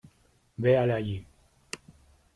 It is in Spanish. véale allí.